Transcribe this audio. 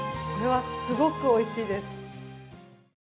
これはすごくおいしいです。